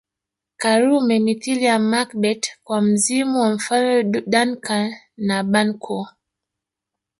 Karume mithili ya Macbeth kwa mzimu wa Mfalme Duncan na Banquo